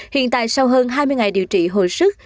hiện tại sau hơn hai mươi ngày điều trị hồi sức